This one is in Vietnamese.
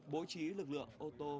bố trí lực lượng ô tô